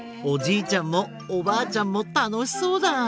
おじいちゃんもおばあちゃんもたのしそうだ。